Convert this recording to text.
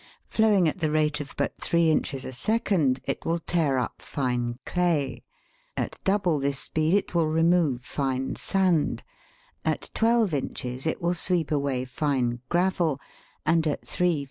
Flowing at the rate of but three inches a second, it will tear up fine clay ; at double this speed it will remove fine sand ; at twelve inches it will sweep away fine gravel, and at three EFFECT OF RUNNING WATER.